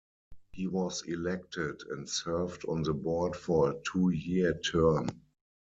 He was elected and served on the board for a two-year term.